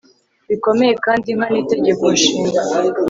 bikomeye kandi nkana Itegeko Nshinga